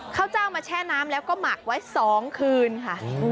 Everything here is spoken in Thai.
ข้าวเจ้ามาแช่น้ำแล้วก็หมักไว้๒คืนค่ะ